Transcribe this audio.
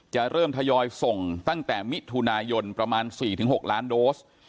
จะเริ่มทยอยส่งตั้งแต่มิถุนายนประมาณ๔๖ล้านโดส